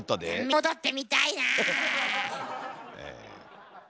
戻って見たいなあ。